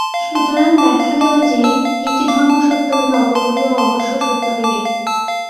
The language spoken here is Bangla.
সুতরাং দেখা গেল যে, একটি ধর্ম সত্য হইলে অপরগুলিও অবশ্য সত্য হইবে।